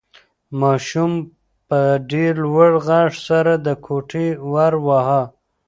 ماشوم په ډېر لوړ غږ سره د کوټې ور واهه.